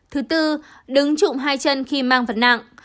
thứ tư đứng trụng hai chân khi mang vật nặng